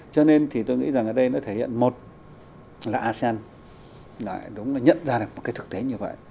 cho nên thì tôi nghĩ rằng ở đây nó thể hiện một là asean đúng là nhận ra được một cái thực tế như vậy